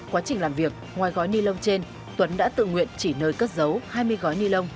quá trình làm việc ngoài gói ni lông trên tuấn đã tự nguyện chỉ nơi cất giấu hai mươi gói ni lông